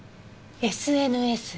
ＳＮＳ。